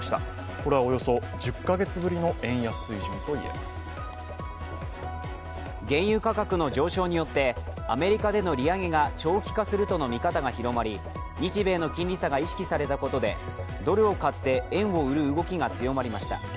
これはおよそ１０か月ぶりの円安水準といえます原油価格の上昇によって、アメリカでの利上げが長期化するとの見方が広まり日米の金利差が意識されたことでドルを買って円を売る動きが強まりました。